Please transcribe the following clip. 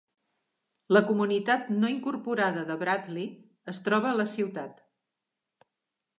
La comunitat no incorporada de Bradley es troba a la ciutat.